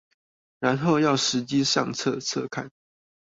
然後要實機上測測看